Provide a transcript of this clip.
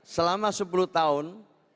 selama sepuluh tahun